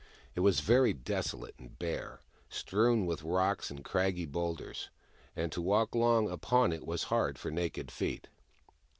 It was very desolate and bare, strewn with rocks and craggy boulders, and to walk long upon it was hard for naked feet.